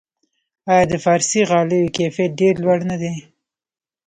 آیا د فارسي غالیو کیفیت ډیر لوړ نه دی؟